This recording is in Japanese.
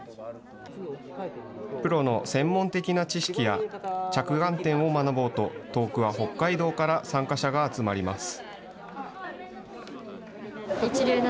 プロの専門的な知識や着眼点を学ぼうと、遠くは北海道から参加者が集まります。